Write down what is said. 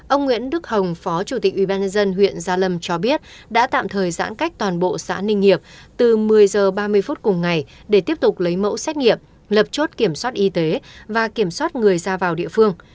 ông nguyễn đức hồng phó chủ tịch ubnd huyện gia lâm cho biết đã tạm thời giãn cách toàn bộ xã ninh hiệp từ một mươi h ba mươi phút cùng ngày để tiếp tục lấy mẫu xét nghiệm lập chốt kiểm soát y tế và kiểm soát người ra vào địa phương